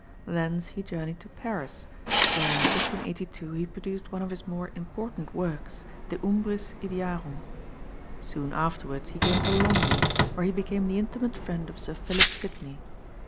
Thence he journeyed to Paris, where in 1582 he produced one of his more important works, De umbris idearum. Soon afterwards he came to London, where he became the intimate friend of Sir Philip Sidney.